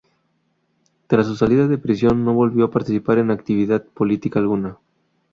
Tras su salida de prisión no volvió a participar en actividad política alguna.